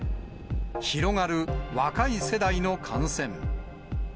広がる若い世代の感染。